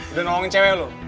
udah nolongin cewek lu